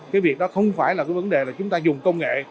cái việc đó không phải là cái vấn đề là chúng ta dùng công nghệ